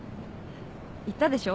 言ったでしょ？